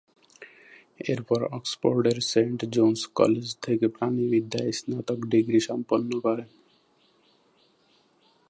এরপর অক্সফোর্ডের Saint John's College থেকে প্রাণিবিদ্যায় স্নাতক ডিগ্রি সম্পন্ন করেন।